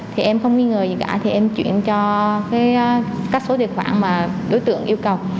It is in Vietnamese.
thì em không nghi ngờ gì cả thì em chuyển cho các số tài khoản mà đối tượng yêu cầu